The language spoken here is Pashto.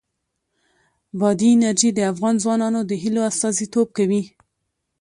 بادي انرژي د افغان ځوانانو د هیلو استازیتوب کوي.